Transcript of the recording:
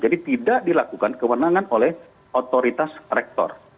jadi tidak dilakukan kewenangan oleh otoritas rektor